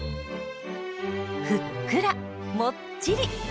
ふっくらもっちり！